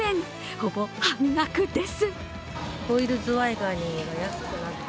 ほぼ半額です。